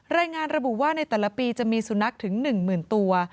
รายงานระบุว่าในแต่ละปีจะมีสุนัขถึง๑๐๐๐ตัว